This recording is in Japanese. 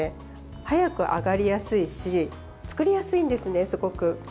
早く揚がりやすいし作りやすいんですね、すごく。